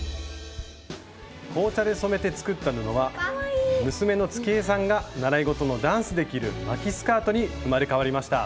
紅茶で染めて作った布は娘の月絵さんが習い事のダンスで着る「巻きスカート」に生まれ変わりました。